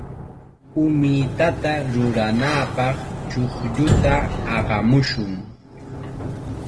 Umitata ruranapaq chuqlluta aqamushun.